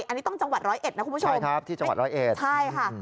อันนี้ต้องจังหวัดร้อยเอ็ดนะคุณผู้ชมใช่ครับที่จังหวัดร้อยเอ็ดใช่ค่ะ